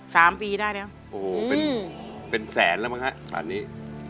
สามปีได้แล้วโอ้โหเป็นเป็นแสนแล้วมั้งฮะตอนนี้